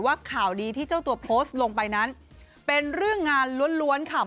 ว่าข่าวดีที่เจ้าตัวโพสต์ลงไปนั้นเป็นเรื่องงานล้วนค่ะ